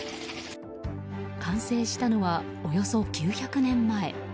完成したのはおよそ９００年前。